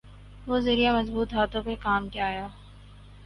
وہ ذریعہ مضبوط ہاتھوں کے کام آیا۔